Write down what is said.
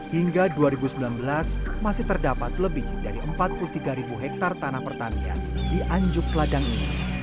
hingga dua ribu sembilan belas masih terdapat lebih dari empat puluh tiga ribu hektare tanah pertanian di anjuk ladang ini